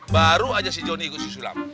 baru aja si jody ikut siusulam